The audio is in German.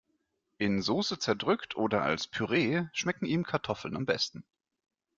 In Soße zerdrückt oder als Püree schmecken ihm Kartoffeln am besten.